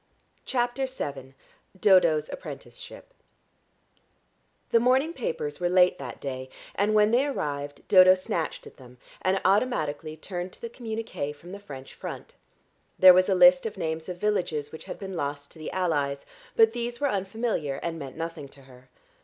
CHAPTER VII DODO'S APPRENTICESHIP The morning papers were late that day, and when they arrived Dodo snatched at them and automatically turned to the communiqué from the French front. There was a list of names of villages which had been lost to the allies, but these were unfamiliar and meant nothing to her.